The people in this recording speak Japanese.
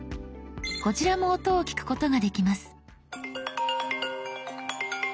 こちらも音を聞くことができます。」）